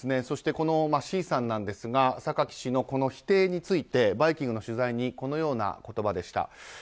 そして、Ｃさんですが榊氏の否定について「バイキング」の取材にこのような言葉でした。